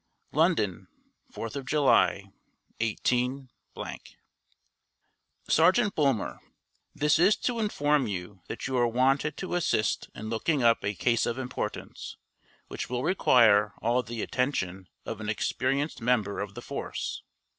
London, 4th July, 18 . SERGEANT BULMER This is to inform you that you are wanted to assist in looking up a case of importance, which will require all the attention of an experienced member of the force.